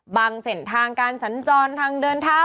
บางเสนทางการสรรจรทางเดินเท้า